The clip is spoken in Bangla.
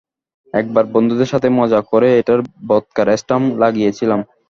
একবার বন্ধুদের সাথে মজা করে, এটায় ভদকার স্ট্যাম্প লাগিয়েছিলাম।